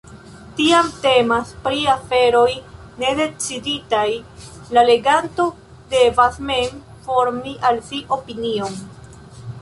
Tiam temas pri aferoj nedeciditaj: la leganto devas mem formi al si opinion.